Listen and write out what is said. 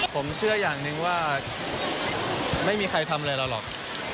ผมเชื่ออย่างหนึ่งว่าไม่มีใครทำอะไรเราหรอก